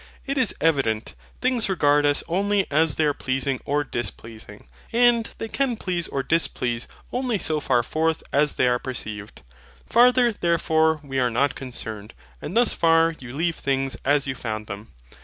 It is evident, things regard us only as they are pleasing or displeasing: and they can please or displease only so far forth as they are perceived. Farther, therefore, we are not concerned; and thus far you leave things as you found them.